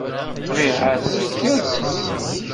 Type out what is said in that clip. Ṭṭbiɛa s teggerses.